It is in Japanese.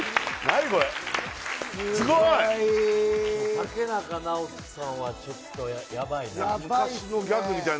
竹中直人さんはちょっとやばいな。